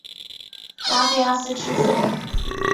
拉菲阿斯之子。